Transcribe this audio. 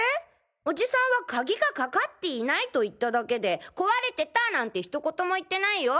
おじさんは鍵がかかっていないと言っただけで壊れてたなんてひとことも言ってないよ。